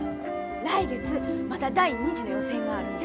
来月また第２次の予選があるんや。